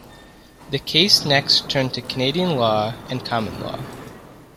The case next turned to Canadian law and common law.